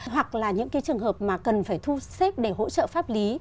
hoặc là những cái trường hợp mà cần phải thu xếp để hỗ trợ pháp lý